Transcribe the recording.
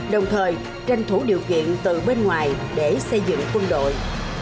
đồng thời tranh thủ điều kiện từ bên ngoài để xây dựng quân đội